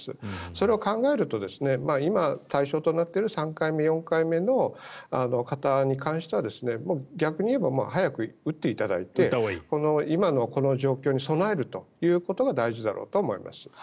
それを考えると今、対象となっている３回目、４回目の方に関しては逆に言えば早く打っていただいてこの今の状況に備えるということが大事だろうと思います。